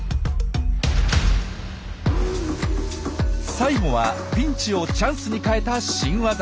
最後はピンチをチャンスに変えた新ワザ。